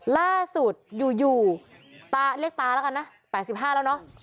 ล่าสุดอยู่ตาเรียกตาแล้วกันนะ๘๕แล้วเนอะ